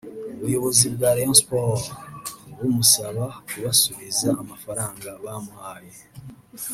ubuyobozi bwa Rayon Sport bumusaba kubasubiza amafaranga bamuhaye